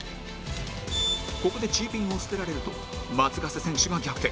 ここでチーピンを捨てられると松ヶ瀬選手が逆転